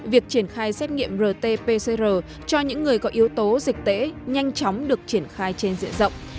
việc triển khai xét nghiệm rt pcr cho những người có yếu tố dịch tễ nhanh chóng được triển khai trên diện rộng